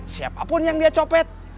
siapapun yang dia copet